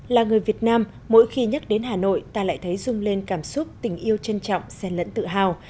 là người việt nam mỗi khi nhắc đến hà nội ta lại thấy rung lên cảm xúc tình yêu trân trọng xen lẫn tự hào